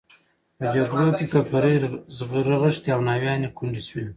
په جګړو کې ککرۍ رغښتې او ناویانې کونډې شوې.